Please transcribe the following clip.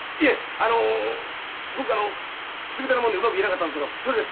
あの僕あの口下手なもんでうまく言えなかったんですけどそれです。